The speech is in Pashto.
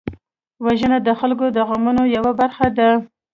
وژنه د خلکو د غمونو یوه برخه ده